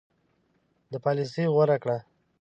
ده پالیسي غوره کړه.